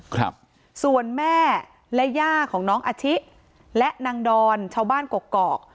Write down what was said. ครับส่วนแม่และย่าของน้องอาชิและนางดอนชาวบ้านกกอก